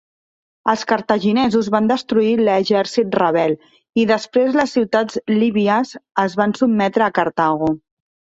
Els cartaginesos van destruir l'exèrcit rebel, i després les ciutats líbies es van sotmetre a Cartago.